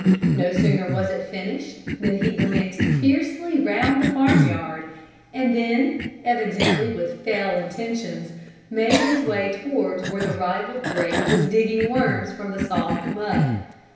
No sooner was it finished than he glanced fiercely round the farmyard, and then, evidently with fell intentions, made his way towards where the rival drake was digging worms from the soft mud.